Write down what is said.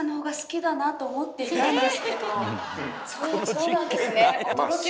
そうなんですね。